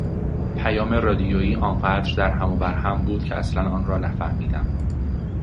پیام رادیویی آنقدر در هم و برهم بود که اصلا آن را نفهمیدم.